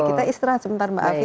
kita istirahat sebentar mbak afif